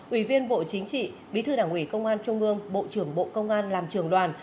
ủy viên bộ chính trị bí thư đảng ủy công an trung ương bộ trưởng bộ công an làm trường đoàn